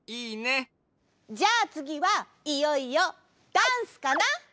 じゃあつぎはいよいよダンスかな！